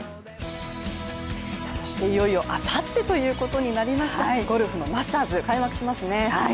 そしていよいよあさってということになりました、ゴルフのマスターズ開幕しますね。